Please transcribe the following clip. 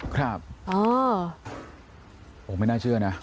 ครับอ๋อไม่น่าเชื่อนะ